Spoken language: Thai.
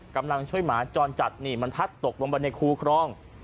กำลังช่วยหมาจรจัดนี่มันพัดตกลงไปในคูครอง